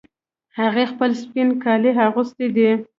هغې خپل سپین کالي اغوستې دي